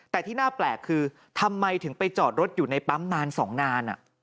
แต่ที่น่าแปลกคือทำไมถึงไปจอดรถอยู่ในปั๊มนาน๒นาน